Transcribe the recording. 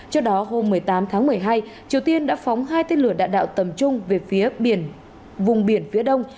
trước đó hôm một mươi tám tháng một mươi hai triều tiên đã phóng hai tên lửa đạn đạo tầm trung về phía vùng biển phía đông